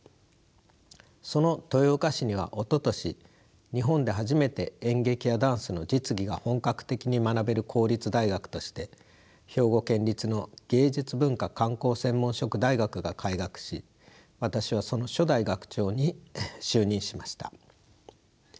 その豊岡市にはおととし日本で初めて演劇やダンスの実技が本格的に学べる公立大学として兵庫県立の芸術文化観光専門職大学が開学し私はその初代学長に就任しました。